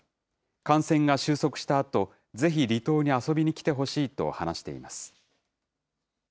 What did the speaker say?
感染が収束したあと、ぜひ離島に遊びに来てほしいと話しています。